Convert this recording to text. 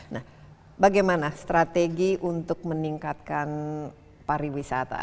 nah bagaimana strategi untuk meningkatkan pariwisata